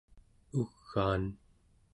ugaan'